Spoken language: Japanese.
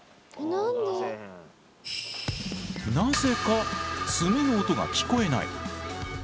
なぜか爪の音が聞こえない。